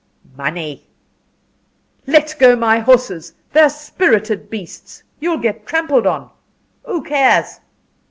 "Money." "Let go my horses! They're spirited beasts. You'll get trampled on." "Who cares?"